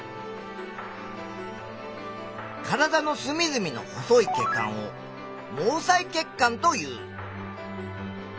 体のすみずみの細い血管を「毛細血管」という。